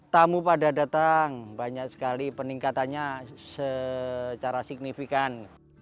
tamu pada datang banyak sekali peningkatannya secara signifikan